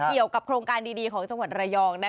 เกี่ยวกับโครงการดีของจังหวัดระยอง